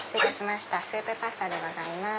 スープパスタでございます。